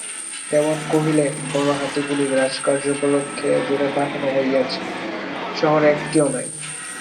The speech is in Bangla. দেওয়ান কহিলেন, বড়ো হাতিগুলি রাজকার্য উপলক্ষে দূরে পাঠানো হইয়াছে, শহরে একটিও নাই।